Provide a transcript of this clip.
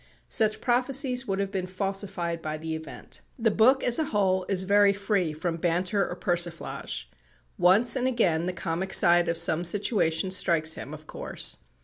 Such prophecies would have been falsified by the event. The book as a whole is very free from banter or persiflage. Once and again the comic side of some situation strikes him, of course.